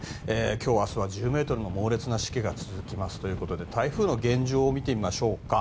今日明日は１０メートルの猛烈なしけが続くということで台風の現状を見てみましょう。